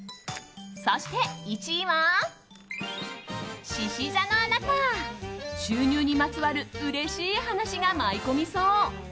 そして１位は、しし座のあなた。収入にまつわるうれしい話が舞い込みそう。